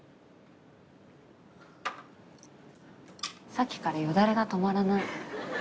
さっきからよだれが止まらない。